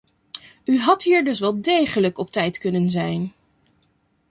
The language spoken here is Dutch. U had hier dus wel degelijk op tijd kunnen zijn.